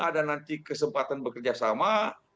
ada nanti kesempatan bekerjasama